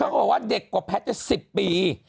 บอกว่าเด็กกว่าแพทย์จะ๑๐ปี